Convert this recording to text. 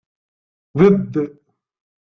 Bedd!